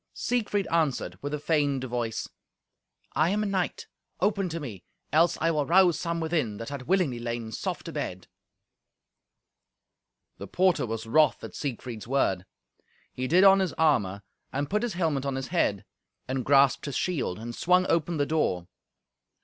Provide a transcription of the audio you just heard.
Siegfried answered with a feigned voice, "I am a knight. Open to me, else I will rouse some within that had willingly lain soft abed." The porter was wroth at Siegfried's word. He did on his armour, and put his helmet on his head, and grasped his shield, and swung open the door.